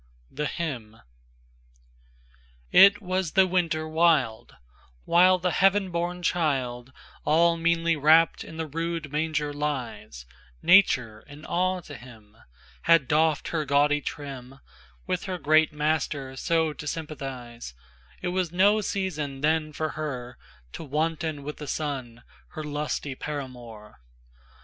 The HymnIIt was the winter wild, While the heaven born childAll meanly wrapt in the rude manger lies; Nature, in awe to him, Had doffed her gaudy trim, With her great Master so to sympathize:It was no season then for herTo wanton with the Sun, her lusty Paramour.